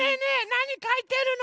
なにかいてるの？